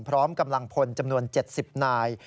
พร้อมกำลังพลจำนวน๗๐นาย